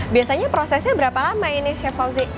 biasanya prosesnya berapa lama ini chef fauzi